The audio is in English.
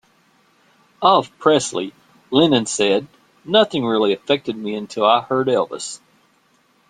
Of Presley, Lennon said, Nothing really affected me until I heard Elvis.